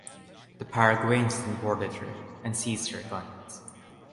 The Paraguayans then boarded her and seized her guns.